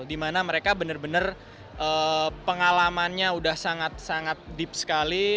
dimana mereka benar benar pengalamannya sudah sangat sangat deep sekali